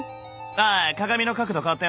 ああ鏡の角度変わったよ。